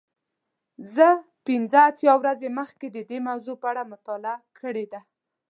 زه پنځه اتیا ورځې مخکې د دې موضوع په اړه مطالعه کړې ده.